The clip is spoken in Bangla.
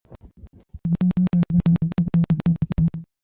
ঘুমানোর আগে আরেকবার গল্প শুনতে চাইত!